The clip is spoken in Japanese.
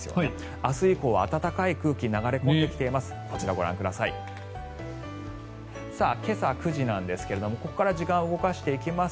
明日以降、暖かい空気が流れ込んできています。